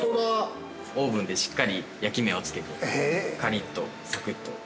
◆オーブンで、しっかり焼き目をつけて、カリッと、サクッと。